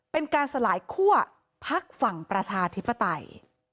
เป็นการสลายคั่วพักฝั่งประชาธิปไตย